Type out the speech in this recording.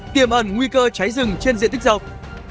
tiềm ẩn nguy cơ cháy rừng trên diện tích dọc